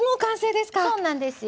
そうなんですよ